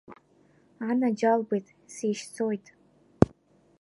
Анаџьалбеит сишьӡоит!